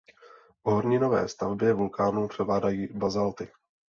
V horninové stavbě vulkánu převládají bazalty.